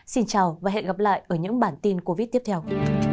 xin chào và hẹn gặp lại ở những bản tin covid tiếp theo